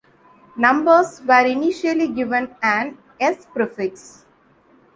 Numbers were initially given an 'S' prefix.